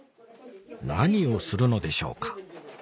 何をするのでしょうか？